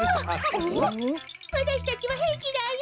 わたしたちはへいきだよ！